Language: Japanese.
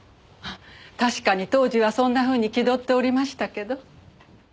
確かに当時はそんなふうに気取っておりましたけど。